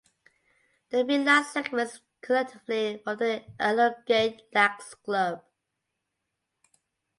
The three last segments collectively form the elongate lax club.